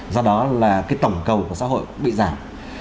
do đó là cái tổng cầu của xã hội bị giảm